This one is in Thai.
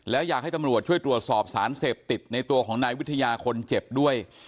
แล้วอยากให้ตำรวจช่วยตรวจสอบสารเสพติดในตัวของนายวิทยาคนเจ็บด้วย